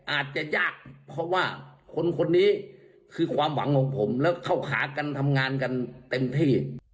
อาจจะยากเพราะว่าคนคนนี้คือความหวังของผมแล้วเข้าขากันทำงานกันเต็มที่